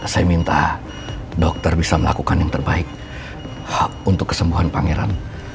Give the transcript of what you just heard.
saya minta dokter bisa melakukan yang terbaik untuk kesembuhan pangeran